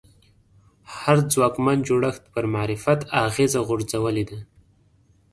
هر ځواکمن جوړښت پر معرفت اغېزه غورځولې ده